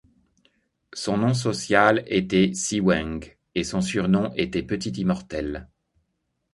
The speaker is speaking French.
Son nom social était Ciweng et son surnom était Petit Immortel.